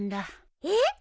えっ！？